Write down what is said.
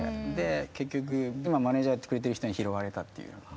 結局今マネージャーやってくれてる人に拾われたっていう。